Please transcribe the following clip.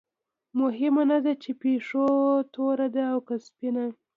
مهمه نه ده چې پیشو توره ده او که سپینه.